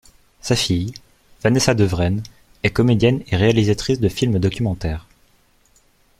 Sa fille, Vanessa Devraine, est comédienne et réalisatrice de films documentaires.